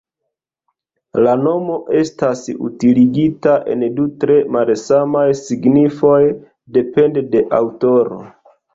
La nomo estas utiligita en du tre malsamaj signifoj depende de aŭtoro.